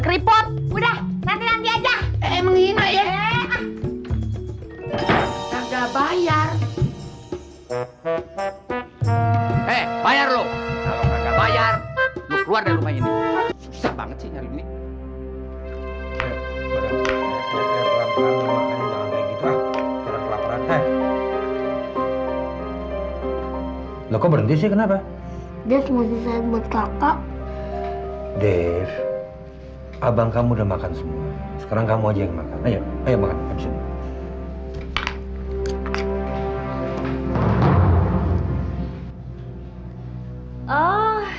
kripot udah nanti nanti aja emang ini enggak bayar bayar bayar bayar lu keluar